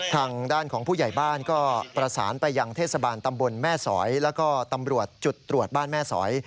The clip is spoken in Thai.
ทางด้านของผู้ใหญ่บ้านก็ประสานไปยังเทศบาลตำบลแม่สอยแล้วก็ตำรวจจุดตรวจบ้านแม่สอย